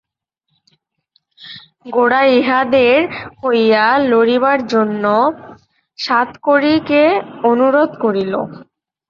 গোরা ইহাদের হইয়া লড়িবার জন্য সাতকড়িকে অনুরোধ করিল।